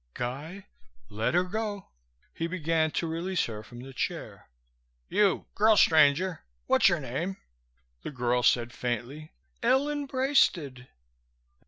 "Guy, let her go." He began to release her from the chair. "You, girl stranger, what's your name?" The girl said faintly, "Ellen Braisted."